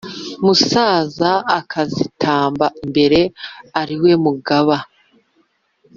musasa akazitamba imbere ari we mugaba: